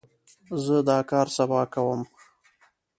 زه دا کار سبا کوم.